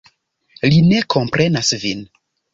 Li ne komprenas vin.